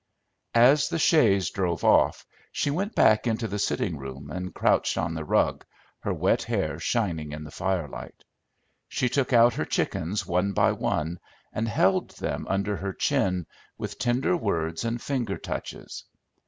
As the chaise drove off, she went back into the sitting room and crouched on the rug, her wet hair shining in the firelight. She took out her chickens one by one and held them under her chin, with tender words and finger touches.